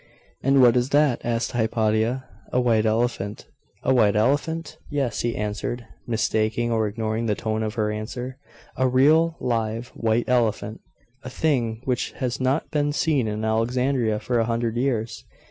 'And what is that?' asked Hypatia. 'A white elephant.' 'A white elephant?' 'Yes,' he answered, mistaking or ignoring the tone of her answer. 'A real, live, white elephant; a thing which has not been seen in Alexandria for a hundred years!